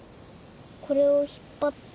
これを引っ張って。